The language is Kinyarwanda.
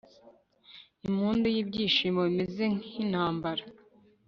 Impundu yibyishimo bimeze nkintambara